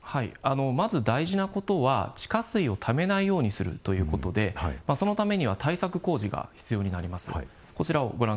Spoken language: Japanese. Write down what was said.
まず、大事なことは地下水をためないようにするということでそのためには対策工事が必要になります。